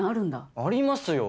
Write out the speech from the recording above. ありますよ。